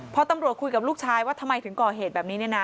พอตำรวจคุยกับลูกชายว่าทำไมถึงก่อเหตุแบบนี้เนี่ยนะ